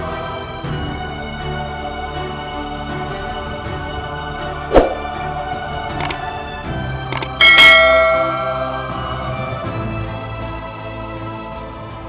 aku akan menunggu